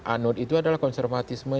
anut itu adalah konservatisme